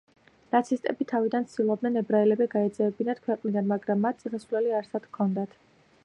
ნაცისტები თავიდან ცდილობდნენ ებრაელები გაეძევებინათ ქვეყნიდან, მაგრამ მათ წასასვლელი არსად ჰქონდათ.